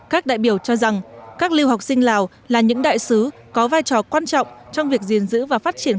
các đại biểu cho rằng các lưu học sinh lào là những đại sứ có vai trò quan trọng trong việc gìn giữ và phát triển